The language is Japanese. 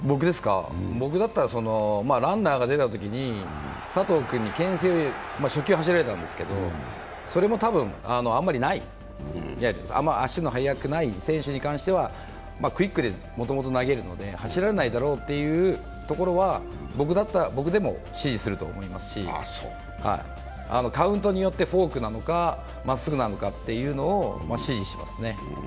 僕だったらランナーが出たときに佐藤君にけん制、初球、走られたんですけど、それもあんまりない、足の速くない選手に関してはクイックでもともと投げるので、走られないだろうというところは僕でも指示すると思いますしカウントによってフォークなのかまっすぐなのかというのを指示しますね。